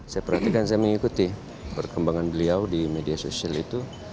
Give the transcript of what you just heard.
saya perhatikan saya mengikuti perkembangan beliau di media sosial itu